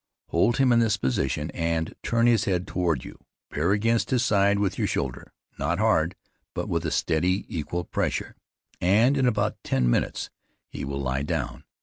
Hold him in his position, and turn his head toward you; bear against his side with your shoulder, not hard, but with a steady equal pressure, and in about ten minutes he will lie down.